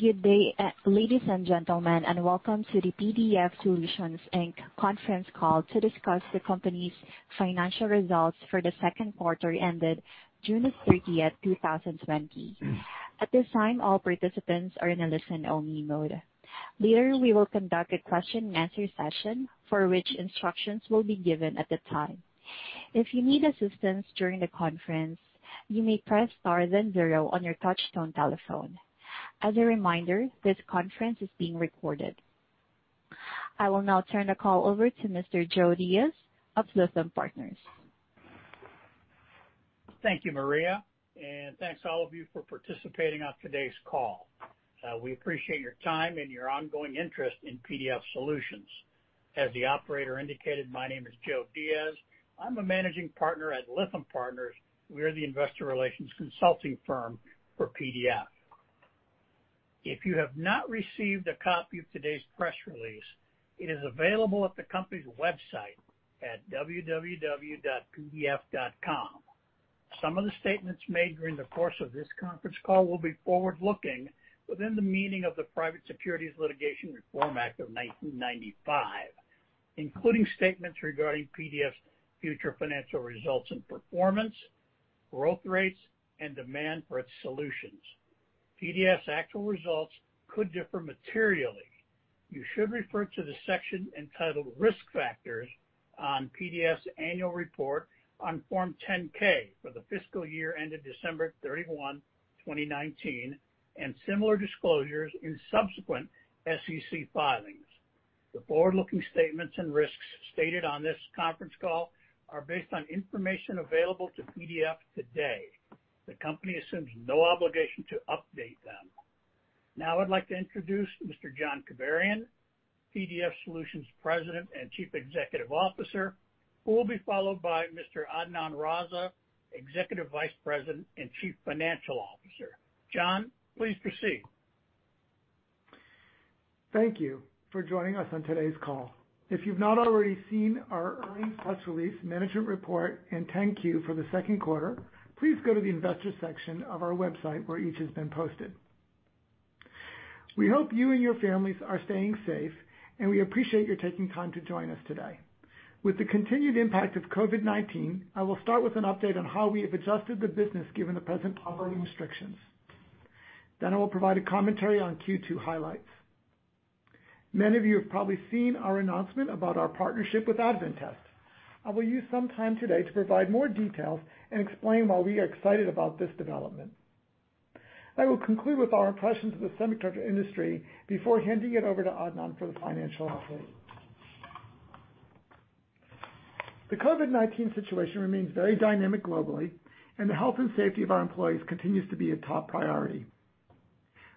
Good day, ladies and gentlemen, and welcome to the PDF Solutions, Inc. conference call to discuss the company's financial results for the second quarter ended June 30, 2020. At this time, all participants are in a listen-only mode. Later, we will conduct a question and answer session, for which instructions will be given at the time. I will now turn the call over to Mr. Joe Diaz of Lytham Partners. Thank you, Maria, and thanks all of you for participating on today's call. We appreciate your time and your ongoing interest in PDF Solutions. As the operator indicated, my name is Joe Diaz. I'm a Managing Partner at Lytham Partners. We are the investor relations consulting firm for PDF. If you have not received a copy of today's press release, it is available at the company's website at www.pdf.com. Some of the statements made during the course of this conference call will be forward-looking within the meaning of the Private Securities Litigation Reform Act of 1995, including statements regarding PDF's future financial results and performance, growth rates, and demand for its solutions. PDF's actual results could differ materially. You should refer to the section entitled "Risk Factors" on PDF's annual report on Form 10-K for the fiscal year ended December 31, 2019, and similar disclosures in subsequent SEC filings. The forward-looking statements and risks stated on this conference call are based on information available to PDF today. The company assumes no obligation to update them. Now I'd like to introduce Mr. John Kibarian, PDF Solutions' President and Chief Executive Officer, who will be followed by Mr. Adnan Raza, Executive Vice President and Chief Financial Officer. John, please proceed. Thank you for joining us on today's call. If you've not already seen our earnings press release, management report, and 10-Q for the second quarter, please go to the investors section of our website, where each has been posted. We hope you and your families are staying safe, and we appreciate you taking time to join us today. With the continued impact of COVID-19, I will start with an update on how we have adjusted the business given the present operating restrictions. I will provide a commentary on Q2 highlights. Many of you have probably seen our announcement about our partnership with Advantest. I will use some time today to provide more details and explain why we are excited about this development. I will conclude with our impressions of the semiconductor industry before handing it over to Adnan for the financial update. The COVID-19 situation remains very dynamic globally, and the health and safety of our employees continues to be a top priority.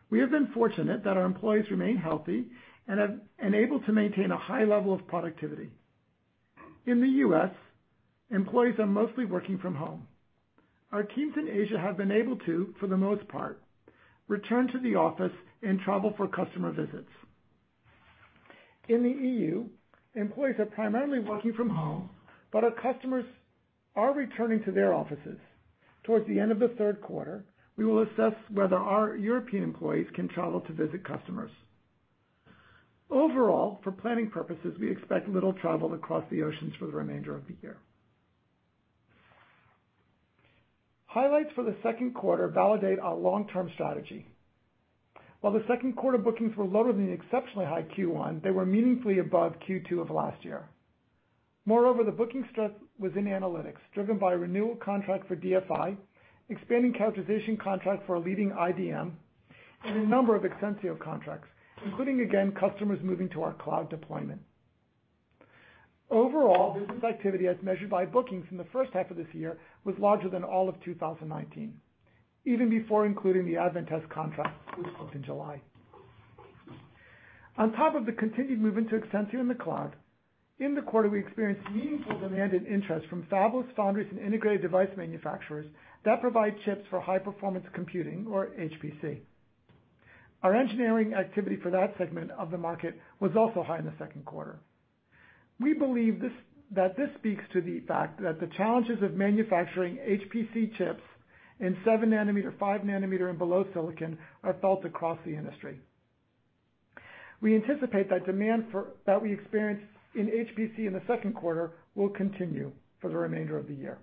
We have been fortunate that our employees remain healthy and able to maintain a high level of productivity. In the U.S., employees are mostly working from home. Our teams in Asia have been able to, for the most part, return to the office and travel for customer visits. In the E.U., employees are primarily working from home, but our customers are returning to their offices. Towards the end of the third quarter, we will assess whether our European employees can travel to visit customers. Overall, for planning purposes, we expect little travel across the oceans for the remainder of the year. Highlights for the second quarter validate our long-term strategy. While the second quarter bookings were lower than the exceptionally high Q1, they were meaningfully above Q2 of last year. The booking strength was in analytics, driven by a renewal contract for DFI, expanding characterization contract for a leading IDM, and a number of Exensio contracts, including, again, customers moving to our cloud deployment. Overall, business activity as measured by bookings in the first half of this year was larger than all of 2019, even before including the Advantest contract, which closed in July. On top of the continued movement to Exensio in the cloud, in the quarter, we experienced meaningful demand and interest from fabless foundries and integrated device manufacturers that provide chips for high-performance computing or HPC. Our engineering activity for that segment of the market was also high in the second quarter. We believe that this speaks to the fact that the challenges of manufacturing HPC chips in 7 nm, 5 nm, and below silicon are felt across the industry. We anticipate that demand that we experienced in HPC in the second quarter will continue for the remainder of the year.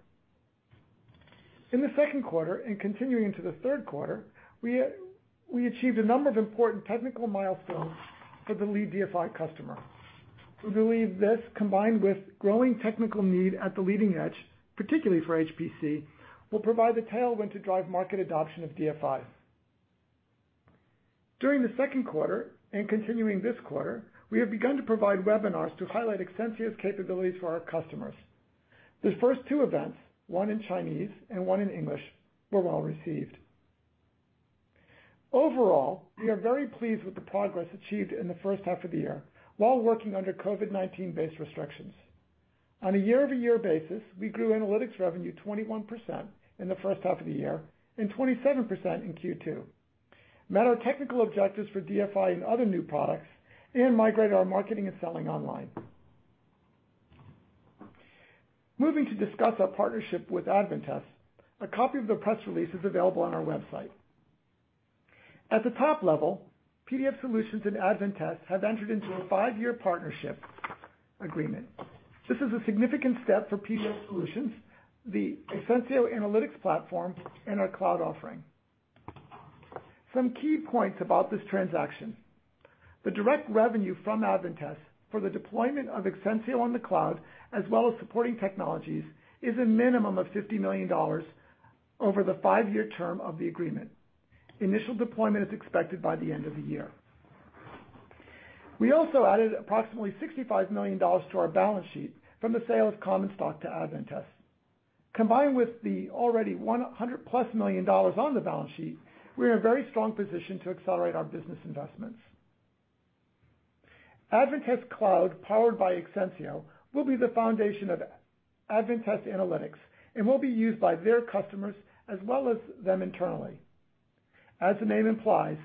In the second quarter and continuing to the third quarter, we achieved a number of important technical milestones for the lead DFI customer. We believe this, combined with growing technical need at the leading edge, particularly for HPC, will provide the tailwind to drive market adoption of DFIs. During the second quarter and continuing this quarter, we have begun to provide webinars to highlight Exensio capabilities for our customers. The first two events, one in Chinese and one in English, were well-received. Overall, we are very pleased with the progress achieved in the first half of the year while working under COVID-19-based restrictions. On a year-over-year basis, we grew analytics revenue 21% in the first half of the year and 27% in Q2, met our technical objectives for DFI and other new products, and migrated our marketing and selling online. Moving to discuss our partnership with Advantest. A copy of the press release is available on our website. At the top level, PDF Solutions and Advantest have entered into a five-year partnership agreement. This is a significant step for PDF Solutions, the Exensio Analytics platform, and our cloud offering. Some key points about this transaction. The direct revenue from Advantest for the deployment of Exensio on the cloud, as well as supporting technologies, is a minimum of $50 million over the five-year term of the agreement. Initial deployment is expected by the end of the year. We also added approximately $65 million to our balance sheet from the sale of common stock to Advantest. Combined with the already $100+ million on the balance sheet, we're in a very strong position to accelerate our business investments. Advantest Cloud, powered by Exensio, will be the foundation of Advantest Analytics and will be used by their customers as well as them internally. As the name implies,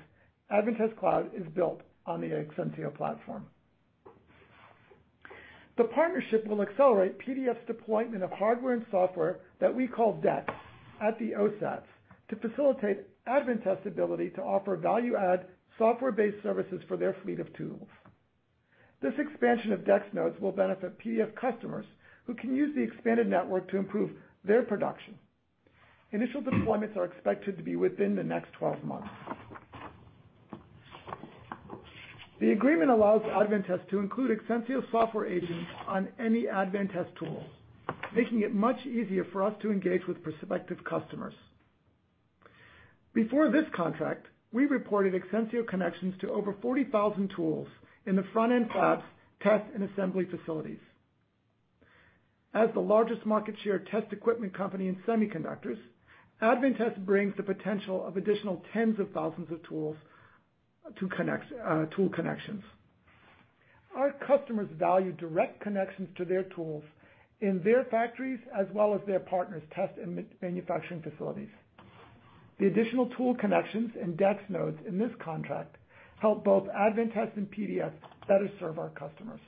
Advantest Cloud is built on the Exensio platform. The partnership will accelerate PDF's deployment of hardware and software that we call DEX at the OSATs to facilitate Advantest's ability to offer value-add software-based services for their fleet of tools. This expansion of DEX nodes will benefit PDF customers who can use the expanded network to improve their production. Initial deployments are expected to be within the next 12 months. The agreement allows Advantest to include Exensio software agents on any Advantest tool, making it much easier for us to engage with prospective customers. Before this contract, we reported Exensio connections to over 40,000 tools in the front-end fabs, test, and assembly facilities. As the largest market share test equipment company in semiconductors, Advantest brings the potential of additional tens of thousands of tools to tool connections. Our customers value direct connections to their tools in their factories, as well as their partners' test and manufacturing facilities. The additional tool connections and DEX nodes in this contract help both Advantest and PDF better serve our customers.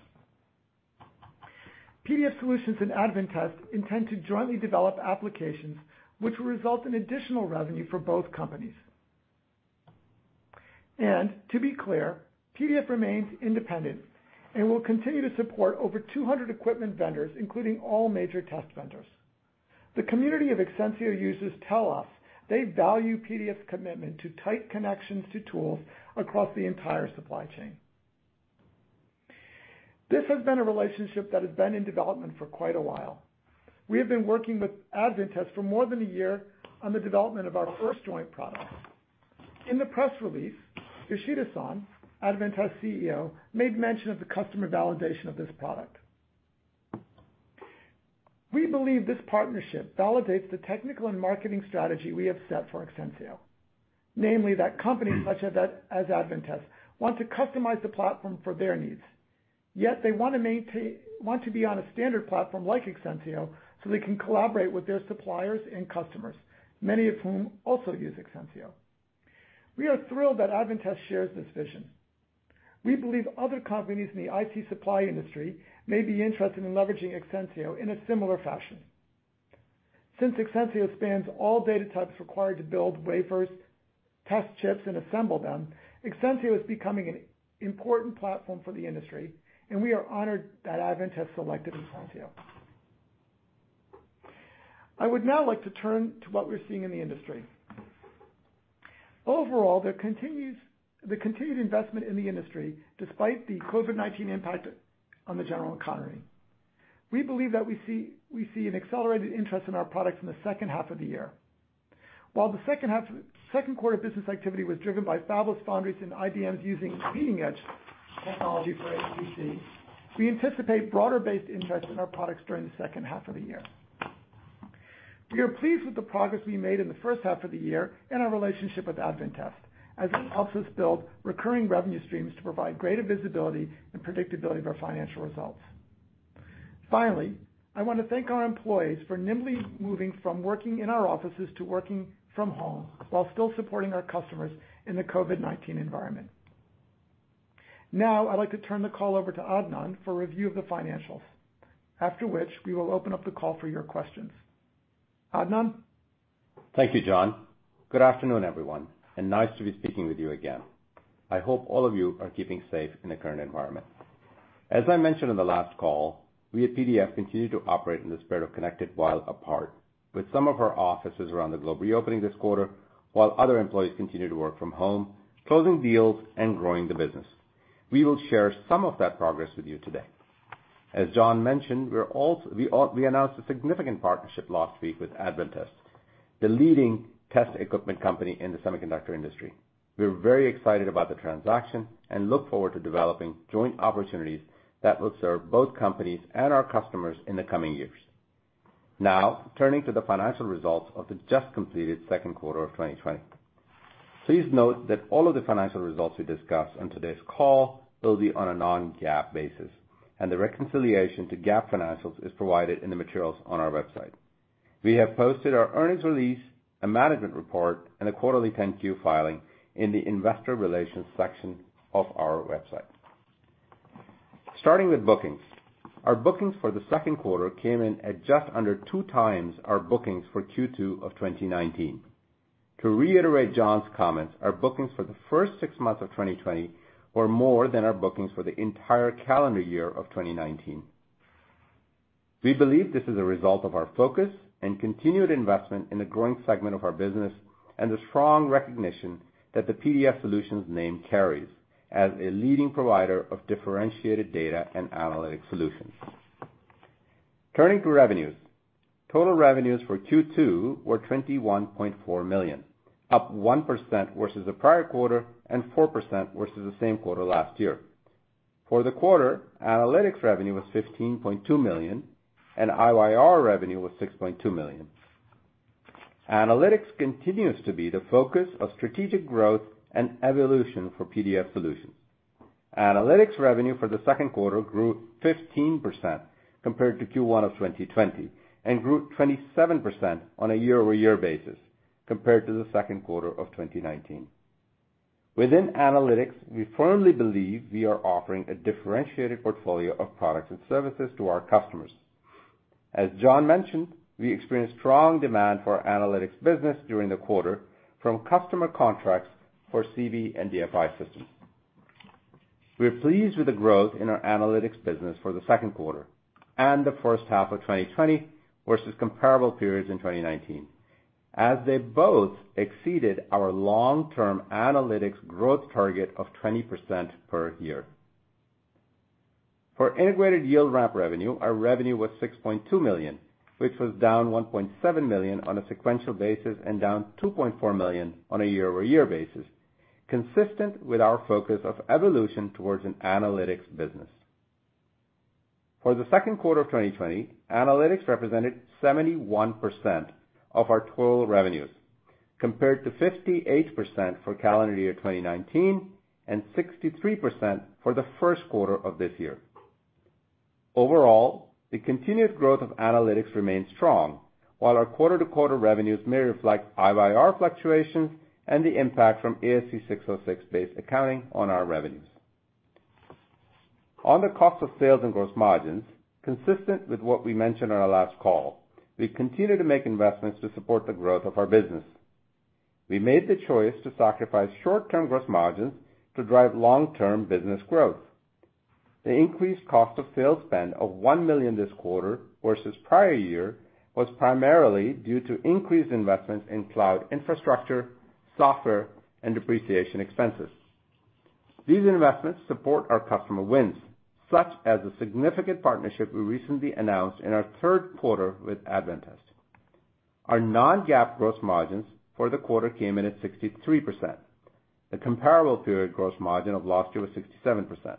PDF Solutions and Advantest intend to jointly develop applications, which will result in additional revenue for both companies. To be clear, PDF remains independent and will continue to support over 200 equipment vendors, including all major test vendors. The community of Exensio users tell us they value PDF's commitment to tight connections to tools across the entire supply chain. This has been a relationship that has been in development for quite a while. We have been working with Advantest for more than a year on the development of our first joint product. In the press release, Yoshida-san, Advantest's CEO, made mention of the customer validation of this product. We believe this partnership validates the technical and marketing strategy we have set for Exensio, namely, that companies such as Advantest want to customize the platform for their needs. They want to be on a standard platform like Exensio, so they can collaborate with their suppliers and customers, many of whom also use Exensio. We are thrilled that Advantest shares this vision. We believe other companies in the IC supply industry may be interested in leveraging Exensio in a similar fashion. Since Exensio spans all data types required to build wafers, test chips, and assemble them, Exensio is becoming an important platform for the industry, and we are honored that Advantest selected Exensio. I would now like to turn to what we're seeing in the industry. Overall, the continued investment in the industry, despite the COVID-19 impact on the general economy. We believe that we see an accelerated interest in our products in the second half of the year. While the second quarter business activity was driven by fabless foundries and IDMs using leading-edge technology for HPC, we anticipate broader-based interest in our products during the second half of the year. We are pleased with the progress we made in the first half of the year and our relationship with Advantest, as it helps us build recurring revenue streams to provide greater visibility and predictability of our financial results. Finally, I want to thank our employees for nimbly moving from working in our offices to working from home while still supporting our customers in the COVID-19 environment. Now, I'd like to turn the call over to Adnan for a review of the financials, after which we will open up the call for your questions. Adnan? Thank you, John. Good afternoon, everyone. Nice to be speaking with you again. I hope all of you are keeping safe in the current environment. As I mentioned on the last call, we at PDF continue to operate in the spirit of connected while apart with some of our offices around the globe reopening this quarter while other employees continue to work from home, closing deals and growing the business. We will share some of that progress with you today. As John mentioned, we announced a significant partnership last week with Advantest, the leading test equipment company in the semiconductor industry. We're very excited about the transaction and look forward to developing joint opportunities that will serve both companies and our customers in the coming years. Turning to the financial results of the just completed second quarter of 2020. Please note that all of the financial results we discuss on today's call will be on a non-GAAP basis, and the reconciliation to GAAP financials is provided in the materials on our website. We have posted our earnings release, a management report, and a quarterly 10-Q filing in the investor relations section of our website. Starting with bookings, our bookings for the second quarter came in at just under two times our bookings for Q2 of 2019. To reiterate John's comments, our bookings for the first six months of 2020 were more than our bookings for the entire calendar year of 2019. We believe this is a result of our focus and continued investment in the growing segment of our business, and the strong recognition that the PDF Solutions name carries as a leading provider of differentiated data and analytic solutions. Turning to revenues. Total revenues for Q2 were $21.4 million, up 1% versus the prior quarter and 4% versus the same quarter last year. For the quarter, analytics revenue was $15.2 million, and IYR revenue was $6.2 million. Analytics continues to be the focus of strategic growth and evolution for PDF Solutions. Analytics revenue for the second quarter grew 15% compared to Q1 of 2020, and grew 27% on a year-over-year basis compared to the second quarter of 2019. Within analytics, we firmly believe we are offering a differentiated portfolio of products and services to our customers. As John mentioned, we experienced strong demand for our analytics business during the quarter from customer contracts for CV and DFI systems. We are pleased with the growth in our analytics business for the second quarter and the first half of 2020 versus comparable periods in 2019, as they both exceeded our long-term analytics growth target of 20% per year. For Integrated Yield Ramp revenue, our revenue was $6.2 million, which was down $1.7 million on a sequential basis and down $2.4 million on a year-over-year basis, consistent with our focus of evolution towards an analytics business. For the second quarter of 2020, analytics represented 71% of our total revenues, compared to 58% for calendar year 2019 and 63% for the first quarter of this year. Overall, the continued growth of analytics remains strong, while our quarter-to-quarter revenues may reflect IYR fluctuations and the impact from ASC 606-based accounting on our revenues. On the cost of sales and gross margins, consistent with what we mentioned on our last call, we continue to make investments to support the growth of our business. We made the choice to sacrifice short-term gross margins to drive long-term business growth. The increased cost of sales spend of $1 million this quarter versus prior year was primarily due to increased investments in cloud infrastructure, software, and depreciation expenses. These investments support our customer wins, such as the significant partnership we recently announced in our third quarter with Advantest. Our non-GAAP gross margins for the quarter came in at 63%. The comparable period gross margin of last year was 67%.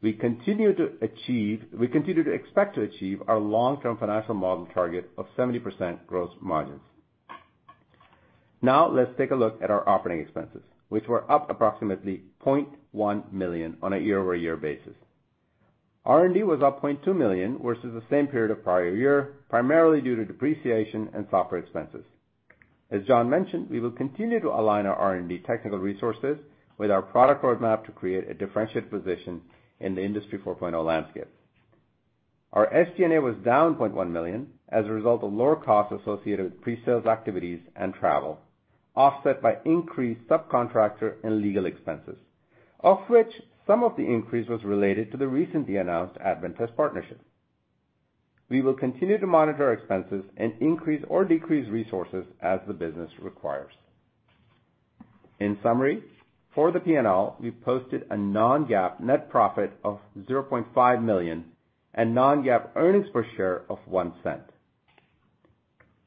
We continue to expect to achieve our long-term financial model target of 70% gross margins. Now let's take a look at our operating expenses, which were up approximately $0.1 million on a year-over-year basis. R&D was up $0.2 million versus the same period of prior year, primarily due to depreciation and software expenses. As John mentioned, we will continue to align our R&D technical resources with our product roadmap to create a differentiated position in the Industry 4.0 landscape. Our SG&A was down $0.1 million as a result of lower costs associated with pre-sales activities and travel, offset by increased subcontractor and legal expenses, of which some of the increase was related to the recently announced Advantest partnership. We will continue to monitor our expenses and increase or decrease resources as the business requires. In summary, for the P&L, we posted a non-GAAP net profit of $0.5 million and non-GAAP earnings per share of $0.01.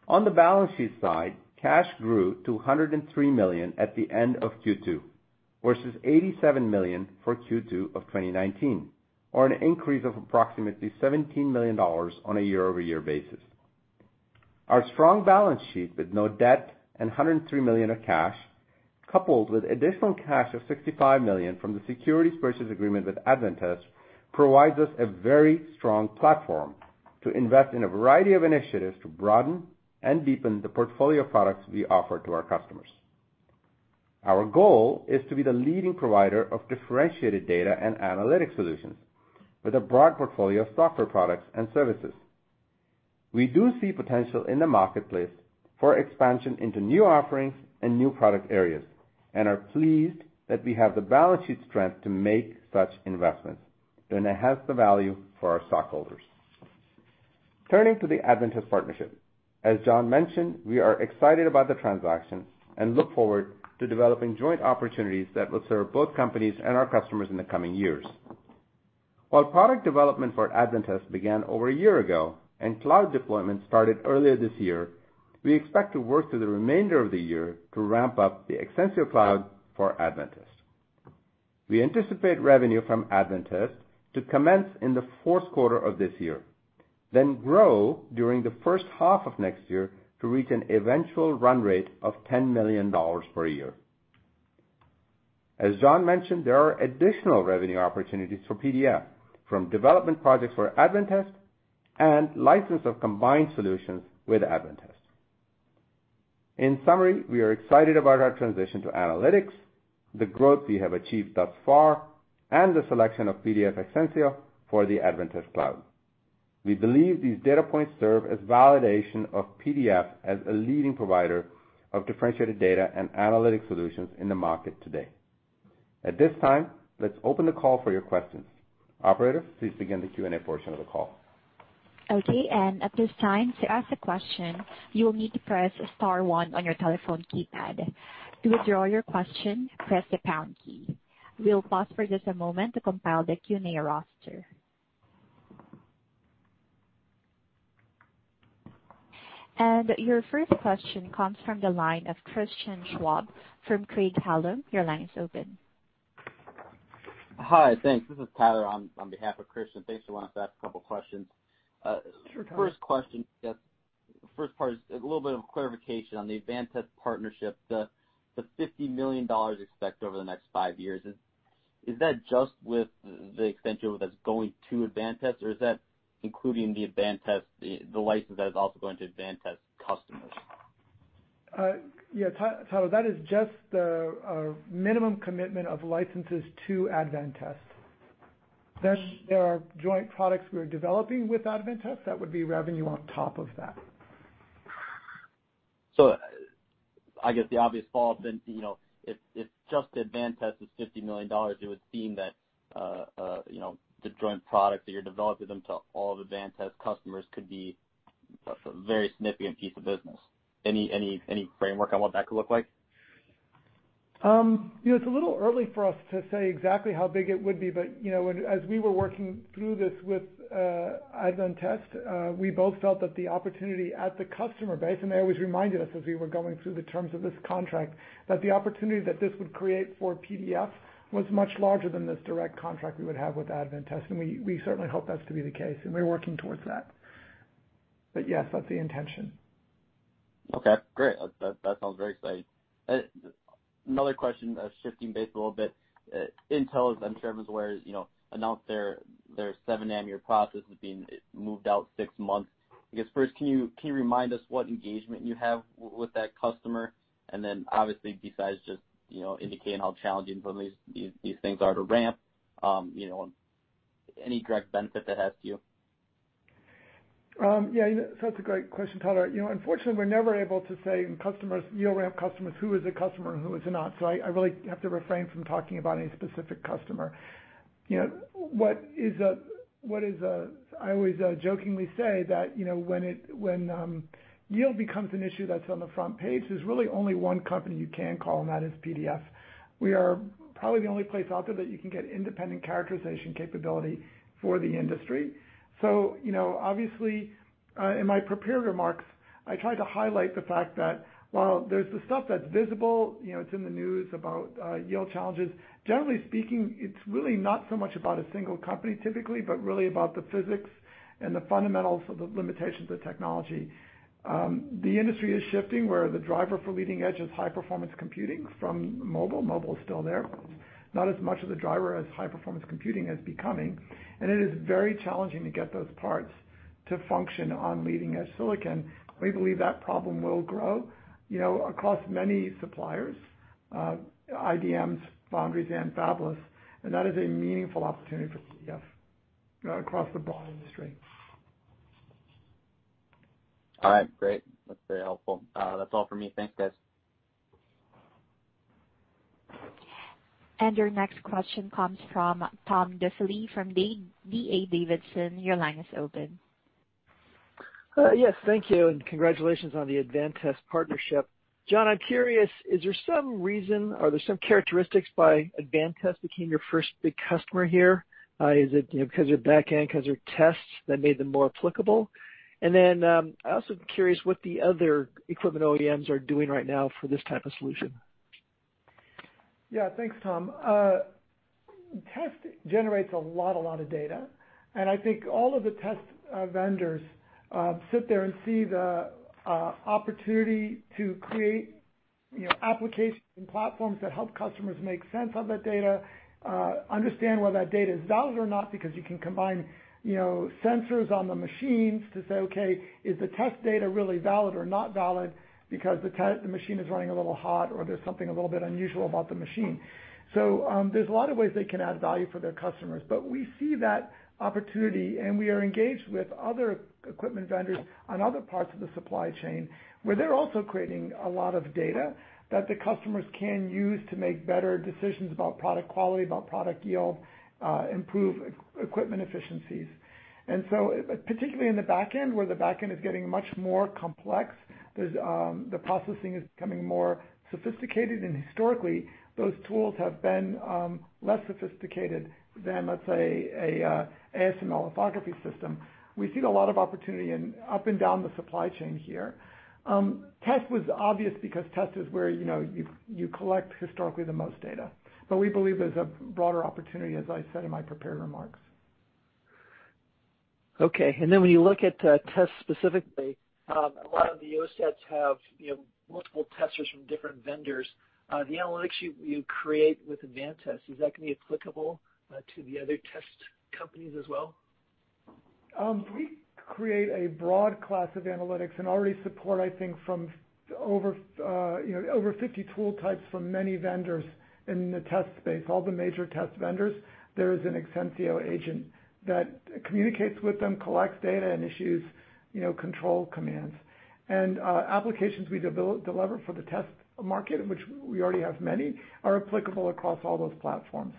On the balance sheet side, cash grew to $103 million at the end of Q2, versus $87 million for Q2 of 2019, or an increase of approximately $17 million on a year-over-year basis. Our strong balance sheet with no debt and $103 million of cash, coupled with additional cash of $65 million from the securities purchase agreement with Advantest, provides us a very strong platform to invest in a variety of initiatives to broaden and deepen the portfolio of products we offer to our customers. Our goal is to be the leading provider of differentiated data and analytic solutions with a broad portfolio of software products and services. We do see potential in the marketplace for expansion into new offerings and new product areas and are pleased that we have the balance sheet strength to make such investments when it has the value for our stockholders. Turning to the Advantest partnership. As John mentioned, we are excited about the transaction and look forward to developing joint opportunities that will serve both companies and our customers in the coming years. While product development for Advantest began over a year ago and cloud deployment started earlier this year, we expect to work through the remainder of the year to ramp up the Exensio Cloud for Advantest. We anticipate revenue from Advantest to commence in the fourth quarter of this year, then grow during the first half of next year to reach an eventual run rate of $10 million per year. As John mentioned, there are additional revenue opportunities for PDF from development projects for Advantest and license of combined solutions with Advantest. In summary, we are excited about our transition to analytics, the growth we have achieved thus far, and the selection of PDF Exensio for the Advantest Cloud. We believe these data points serve as validation of PDF as a leading provider of differentiated data and analytic solutions in the market today. At this time, let's open the call for your questions. Operator, please begin the Q&A portion of the call. Okay. At this time, to ask a question, you will need to press star one on your telephone keypad. To withdraw your question, press the pound key. We'll pause for just a moment to compile the Q&A roster. Your first question comes from the line of Christian Schwab from Craig-Hallum. Your line is open. Hi. Thanks. This is Tyler on behalf of Christian. Thanks for letting us ask a couple of questions. Sure, Tyler. First question, first part is a little bit of clarification on the Advantest partnership, the $50 million expect over the next five years, is that just with the Exensio that's going to Advantest, or is that including the license that is also going to Advantest customers? Yeah, Tyler, that is just the minimum commitment of licenses to Advantest. There are joint products we are developing with Advantest that would be revenue on top of that. I guess the obvious follow-up then, if just Advantest is $50 million, it would seem that the joint product that you're developing them to all of Advantest customers could be a very significant piece of business. Any framework on what that could look like? It's a little early for us to say exactly how big it would be. As we were working through this with Advantest, we both felt that the opportunity at the customer base, and they always reminded us as we were going through the terms of this contract, that the opportunity that this would create for PDF was much larger than this direct contract we would have with Advantest. We certainly hope that's to be the case, and we're working towards that. Yes, that's the intention. Okay, great. That sounds very exciting. Another question, shifting base a little bit. Intel, as I'm sure everyone's aware, announced their 7 nm process is being moved out six months. I guess first, can you remind us what engagement you have with that customer? Obviously besides just indicating how challenging some of these things are to ramp, any direct benefit that has to you? Yeah, that's a great question, Tyler. Unfortunately, we're never able to say in customers, yield ramp customers, who is a customer and who is not. I really have to refrain from talking about any specific customer. I always jokingly say that when yield becomes an issue that's on the front page, there's really only one company you can call, and that is PDF. We are probably the only place out there that you can get independent characterization capability for the industry. Obviously, in my prepared remarks, I tried to highlight the fact that while there's the stuff that's visible, it's in the news about yield challenges. Generally speaking, it's really not so much about a single company typically, but really about the physics and the fundamentals of the limitations of technology. The industry is shifting where the driver for leading edge is high-performance computing from mobile. Mobile is still there, not as much of the driver as high-performance computing is becoming, and it is very challenging to get those parts to function on leading-edge silicon. We believe that problem will grow across many suppliers, IDMs, foundries, and fabless, and that is a meaningful opportunity for PDF across the broad industry. All right, great. That's very helpful. That's all for me. Thanks, guys. Your next question comes from Tom Diffely from D.A. Davidson. Your line is open. Yes. Thank you. Congratulations on the Advantest partnership. John, I'm curious, is there some reason or there's some characteristics by Advantest became your first big customer here? Is it because of back-end, because of tests that made them more applicable? I'm also curious what the other equipment OEMs are doing right now for this type of solution. Yeah. Thanks, Tom. Test generates a lot of data, and I think all of the test vendors sit there and see the opportunity to create application platforms that help customers make sense of that data, understand whether that data is valid or not, because you can combine sensors on the machines to say, okay, is the test data really valid or not valid because the machine is running a little hot or there's something a little bit unusual about the machine. There's a lot of ways they can add value for their customers. We see that opportunity, and we are engaged with other equipment vendors on other parts of the supply chain, where they're also creating a lot of data that the customers can use to make better decisions about product quality, about product yield, improve equipment efficiencies. Particularly in the back end, where the back end is getting much more complex, the processing is becoming more sophisticated, and historically, those tools have been less sophisticated than, let's say, a ASML lithography system. We see a lot of opportunity up and down the supply chain here. Test was obvious because test is where you collect historically the most data. We believe there's a broader opportunity, as I said in my prepared remarks. Okay. When you look at test specifically, a lot of the OSATs have multiple testers from different vendors. The analytics you create with Advantest, is that going to be applicable to the other test companies as well? We create a broad class of analytics and already support, I think, from over 50 tool types from many vendors in the test space. All the major test vendors, there is an Exensio agent that communicates with them, collects data, and issues control commands. Applications we deliver for the test market, in which we already have many, are applicable across all those platforms.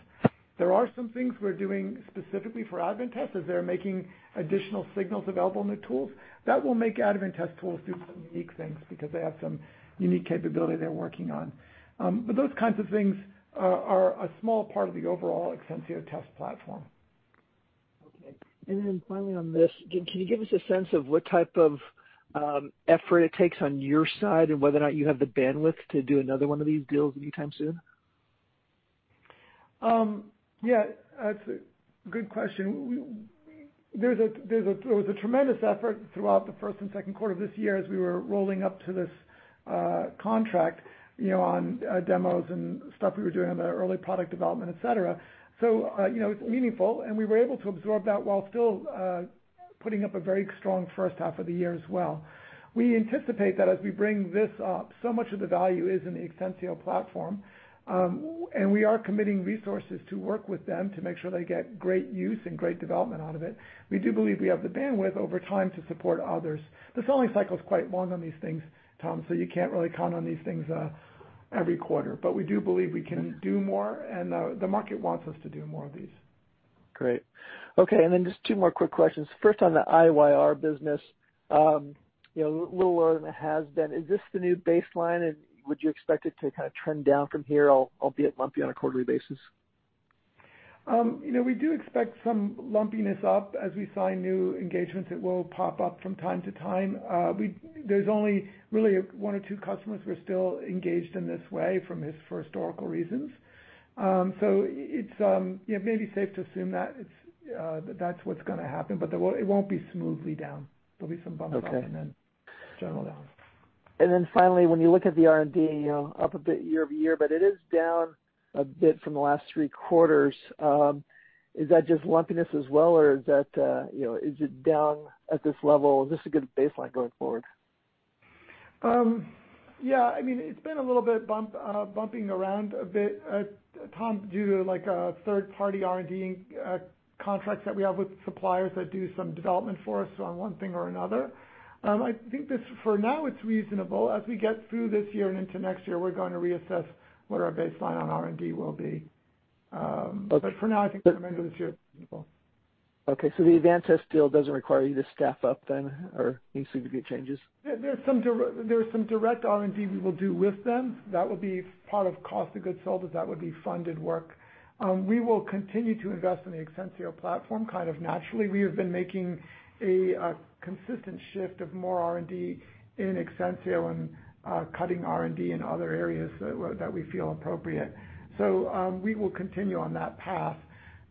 There are some things we're doing specifically for Advantest as they're making additional signals available in their tools. That will make Advantest tools do some unique things because they have some unique capability they're working on. Those kinds of things are a small part of the overall Exensio test platform. Okay. Finally on this, can you give us a sense of what type of effort it takes on your side, and whether or not you have the bandwidth to do another one of these deals anytime soon? Yeah, that's a good question. It was a tremendous effort throughout the first and second quarter of this year as we were rolling up to this contract on demos and stuff we were doing on the early product development, et cetera. It's meaningful, and we were able to absorb that while still putting up a very strong first half of the year as well. We anticipate that as we bring this up, so much of the value is in the Exensio platform, and we are committing resources to work with them to make sure they get great use and great development out of it. We do believe we have the bandwidth over time to support others. The selling cycle is quite long on these things, Tom, you can't really count on these things every quarter. We do believe we can do more, and the market wants us to do more of these. Great. Okay, then just two more quick questions. First, on the IYR business. A little lower than it has been. Is this the new baseline, and would you expect it to kind of trend down from here, albeit lumpy on a quarterly basis? We do expect some lumpiness up as we sign new engagements that will pop up from time to time. There's only really one or two customers who are still engaged in this way for historical reasons. So it may be safe to assume that that's what's going to happen, but it won't be smoothly down. There'll be some bumps up and then general down. Okay. Finally, when you look at the R&D, up a bit year-over-year, but it is down a bit from the last three quarters. Is that just lumpiness as well, or is it down at this level? Is this a good baseline going forward? Yeah. It's been a little bit bumping around a bit, Tom, due to a third-party R&D contract that we have with suppliers that do some development for us on one thing or another. I think for now, it's reasonable. As we get through this year and into next year, we're going to reassess what our baseline on R&D will be. For now, I think for the remainder of this year, it's reasonable. The Advantest deal doesn't require you to staff up then, or any significant changes? There's some direct R&D we will do with them. That would be part of cost of goods sold, as that would be funded work. We will continue to invest in the Exensio platform kind of naturally. We have been making a consistent shift of more R&D in Exensio and cutting R&D in other areas that we feel appropriate. We will continue on that path.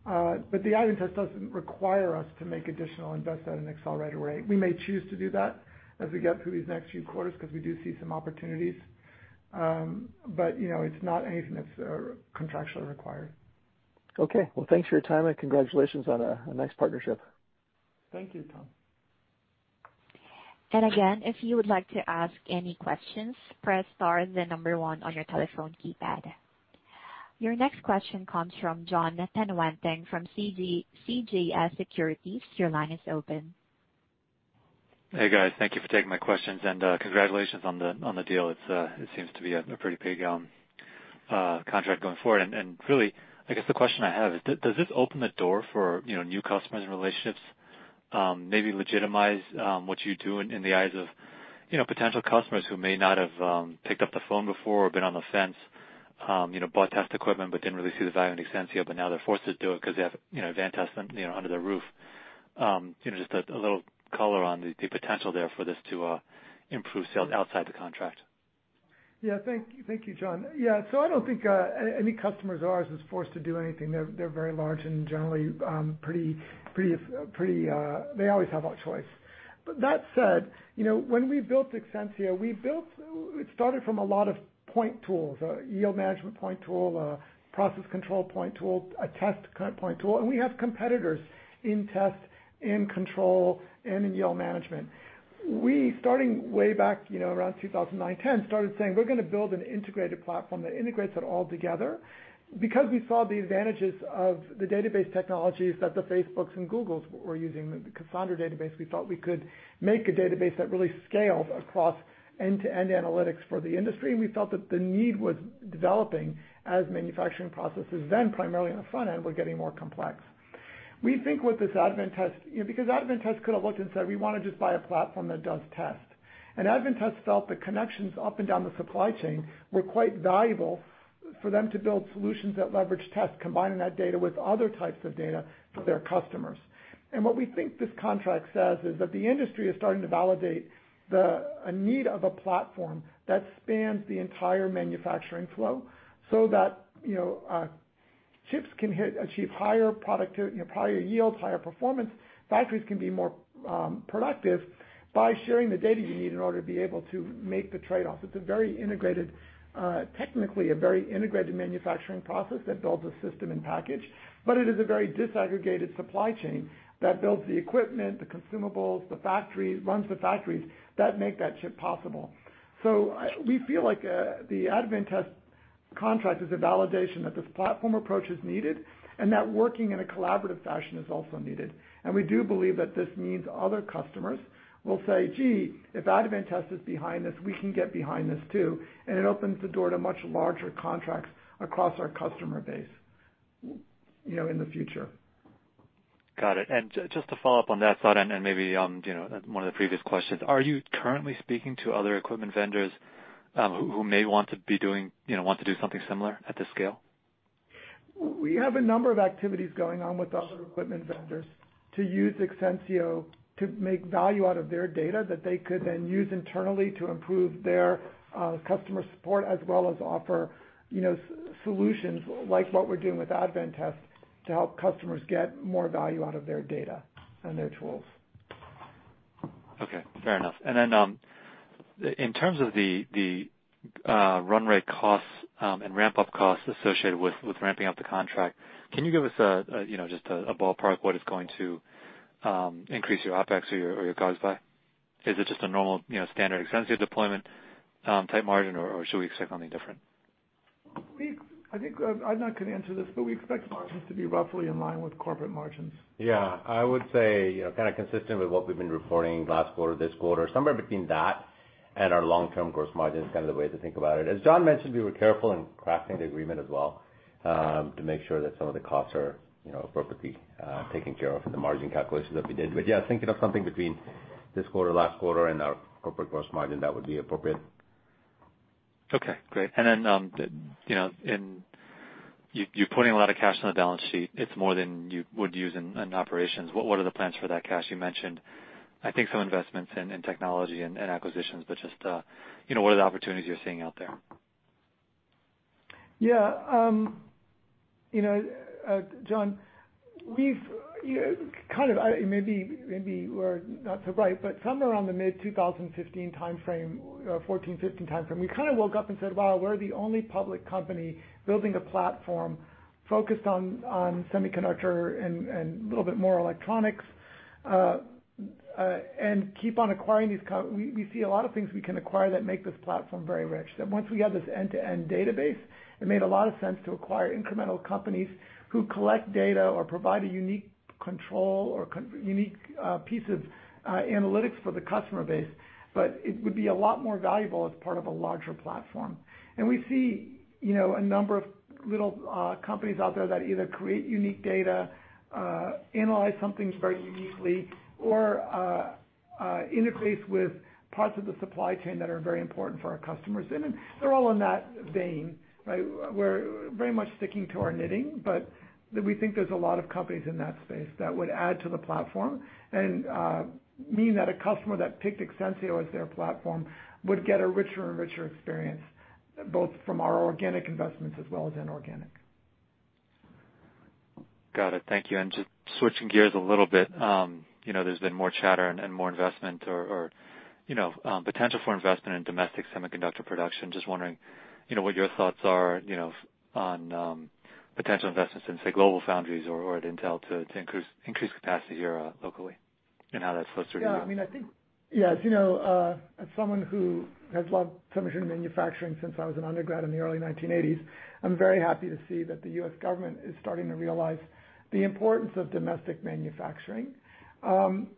The Advantest doesn't require us to make additional investment and accelerate or rate. We may choose to do that as we get through these next few quarters because we do see some opportunities. It's not anything that's contractually required. Okay. Well, thanks for your time, and congratulations on a nice partnership. Thank you, Tom. If you would like to ask any questions, press star then the number one on your telephone keypad. Your next question comes from Jon Tanwanteng from CJS Securities. Your line is open. Hey, guys. Thank you for taking my questions, and congratulations on the deal. It seems to be a pretty big contract going forward. Really, I guess the question I have is, does this open the door for new customers and relationships? Maybe legitimize what you do in the eyes of potential customers who may not have picked up the phone before or been on the fence, bought test equipment, but didn't really see the value in Exensio, but now they're forced to do it because they have Advantest under their roof. Just a little color on the potential there for this to improve sales outside the contract. Yeah. Thank you, John. I don't think any customers of ours is forced to do anything. They're very large and generally they always have a choice. That said, when we built Exensio, it started from a lot of point tools, a yield management point tool, a process control point tool, a test point tool, and we have competitors in test, in control, and in yield management. We, starting way back around 2009, 2010, started saying, "We're going to build an integrated platform that integrates it all together." We saw the advantages of the database technologies that the Facebooks and Googles were using, the Cassandra database, we thought we could make a database that really scaled across end-to-end analytics for the industry. We felt that the need was developing as manufacturing processes, then primarily on the front end, were getting more complex. Advantest could have looked and said, "We want to just buy a platform that does test." Advantest felt the connections up and down the supply chain were quite valuable for them to build solutions that leverage test, combining that data with other types of data for their customers. What we think this contract says is that the industry is starting to validate a need of a platform that spans the entire manufacturing flow. Chips can achieve higher yields, higher performance. Factories can be more productive by sharing the data you need in order to be able to make the trade-off. It is technically a very integrated manufacturing process that builds a system-in-package, but it is a very disaggregated supply chain that builds the equipment, the consumables, the factory, runs the factories, that make that chip possible. We feel like the Advantest contract is a validation that this platform approach is needed, and that working in a collaborative fashion is also needed. We do believe that this means other customers will say, "Gee, if Advantest is behind this, we can get behind this, too." It opens the door to much larger contracts across our customer base in the future. Got it. Just to follow up on that thought and maybe one of the previous questions, are you currently speaking to other equipment vendors who may want to do something similar at this scale? We have a number of activities going on with other equipment vendors to use Exensio to make value out of their data that they could then use internally to improve their customer support as well as offer solutions like what we're doing with Advantest to help customers get more value out of their data and their tools. Okay, fair enough. In terms of the run rate costs and ramp-up costs associated with ramping up the contract, can you give us just a ballpark what it's going to increase your OpEx or your costs by? Is it just a normal standard Exensio deployment type margin, or should we expect something different? I think Adnan can answer this, but we expect margins to be roughly in line with corporate margins. Yeah, I would say, kind of consistent with what we've been reporting last quarter, this quarter, somewhere between that and our long-term gross margin is kind of the way to think about it. As John mentioned, we were careful in crafting the agreement as well, to make sure that some of the costs are appropriately taken care of in the margin calculations that we did. Thinking of something between this quarter, last quarter, and our corporate gross margin, that would be appropriate. Okay, great. You're putting a lot of cash on the balance sheet. It's more than you would use in operations. What are the plans for that cash? You mentioned, I think, some investments in technology and acquisitions, just what are the opportunities you're seeing out there? Yeah. Jon, maybe we're not so bright, but somewhere around the mid-2015 timeframe, 2014, 2015 timeframe, we kind of woke up and said, "Wow, we're the only public company building a platform focused on semiconductor and a little bit more electronics," and keep on acquiring these companies. We see a lot of things we can acquire that make this platform very rich. That once we have this end-to-end database, it made a lot of sense to acquire incremental companies who collect data or provide a unique control or unique piece of analytics for the customer base. It would be a lot more valuable as part of a larger platform. We see a number of little companies out there that either create unique data, analyze some things very uniquely, or interface with parts of the supply chain that are very important for our customers. They're all in that vein, right? We're very much sticking to our knitting, but we think there's a lot of companies in that space that would add to the platform and mean that a customer that picked Exensio as their platform would get a richer and richer experience, both from our organic investments as well as inorganic. Got it. Thank you. Just switching gears a little bit, there's been more chatter and more investment or potential for investment in domestic semiconductor production. Just wondering what your thoughts are on potential investments in, say, GlobalFoundries or at Intel to increase capacity here locally. Yeah, as someone who has loved semiconductor manufacturing since I was an undergrad in the early 1980s, I'm very happy to see that the U.S. government is starting to realize the importance of domestic manufacturing. I'm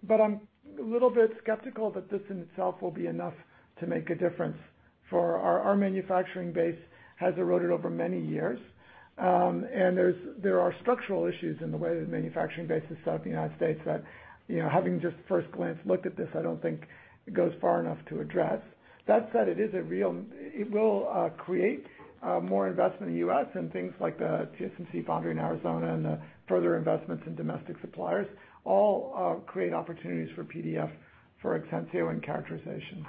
a little bit skeptical that this in itself will be enough to make a difference, for our manufacturing base has eroded over many years. There are structural issues in the way the manufacturing base has set up in the United States that, having just first glance looked at this, I don't think goes far enough to address. That said, it will create more investment in the U.S. and things like the TSMC foundry in Arizona and the further investments in domestic suppliers all create opportunities for PDF, for Exensio, and characterization.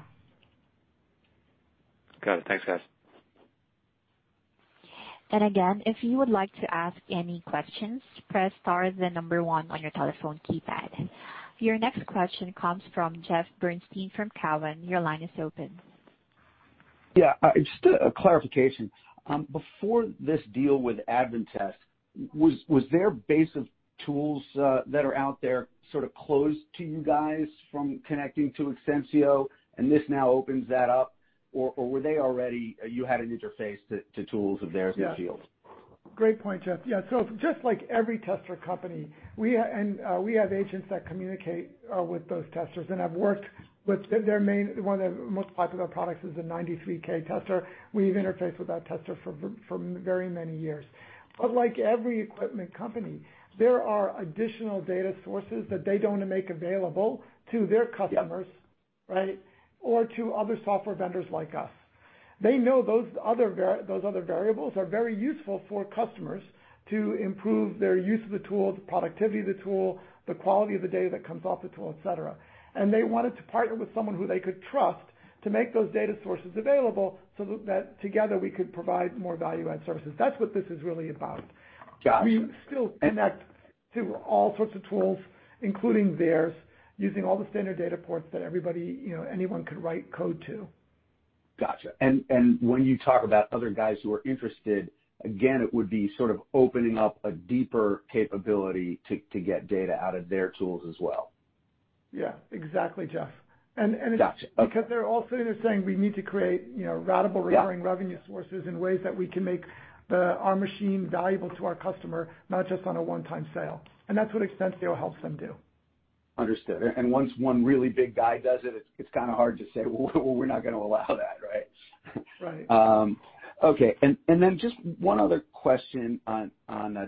Got it. Thanks, guys. Again, if you would like to ask any questions, press star, then number one on your telephone keypad. Your next question comes from Jeff Bernstein from Cowen. Your line is open. Yeah. Just a clarification. Before this deal with Advantest, was their base of tools that are out there sort of closed to you guys from connecting to Exensio and this now opens that up, or were they already, you had an interface to tools of theirs in the field? Great point, Jeff. Yeah, just like every tester company, and we have agents that communicate with those testers and have worked with their main, one of their most popular products is the 93K tester. We've interfaced with that tester for very many years. Like every equipment company, there are additional data sources that they don't want to make available to their customers. Right? Or to other software vendors like us. They know those other variables are very useful for customers to improve their use of the tool, the productivity of the tool, the quality of the data that comes off the tool, et cetera. They wanted to partner with someone who they could trust to make those data sources available so that together we could provide more value add services. That's what this is really about. We still connect to all sorts of tools, including theirs, using all the standard data ports that anyone could write code to. Got you. When you talk about other guys who are interested, again, it would be sort of opening up a deeper capability to get data out of their tools as well. Yeah, exactly, Jeff. Got you. Okay. It's because they're also saying we need to create ratable recurring revenue sources in ways that we can make our machine valuable to our customer, not just on a one-time sale. That's what Exensio helps them do. Understood. Once one really big guy does it's kind of hard to say, "Well, we're not going to allow that," right? Right. Okay. Just one other question on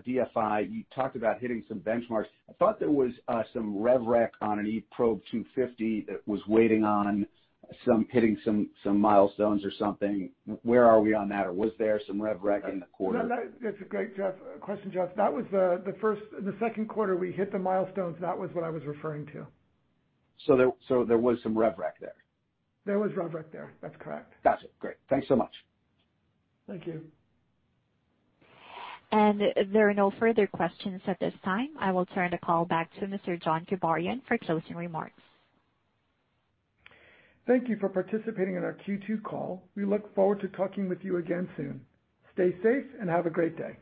DFI. You talked about hitting some benchmarks. I thought there was some rev rec on an eProbe 250 that was waiting on hitting some milestones or something. Where are we on that? Was there some rev rec in the quarter? That's a great question, Jeff. That was the second quarter we hit the milestones. That was what I was referring to. There was some rev rec there? There was rev rec there, that's correct. Got you. Great. Thanks so much. Thank you. There are no further questions at this time. I will turn the call back to Mr. John Kibarian for closing remarks. Thank you for participating in our Q2 call. We look forward to talking with you again soon. Stay safe and have a great day.